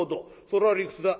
それは理屈だ。